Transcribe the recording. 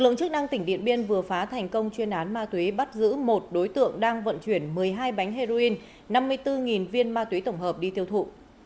lượng chức năng tỉnh điện biên vừa phá thành công chuyên án ma túy bắt giữ một đối tượng đang vận chuyển một mươi hai bánh heroin năm mươi bốn viên ma túy tổng hợp đi tiêu thụ